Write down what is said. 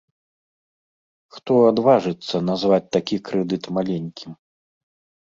Хто адважыцца назваць такі крэдыт маленькім?